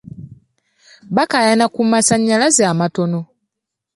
Baakayana ku masanyalaze amatono.